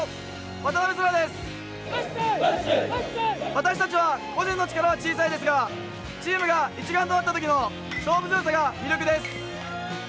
私たちは個人の力は小さいですがチームが一丸になったときの勝負強さが魅力です。